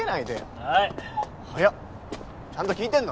はい早っちゃんと聞いてんの？